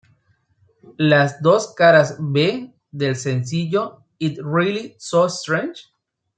Las dos caras B del sencillo, "It Really So Strange?